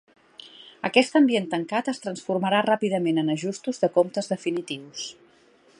Aquest ambient tancat es transformarà ràpidament en ajustos de comptes definitius.